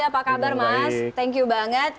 apa kabar mas thank you banget